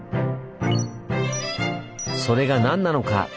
それが何なのか？